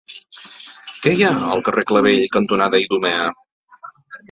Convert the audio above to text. Què hi ha al carrer Clavell cantonada Idumea?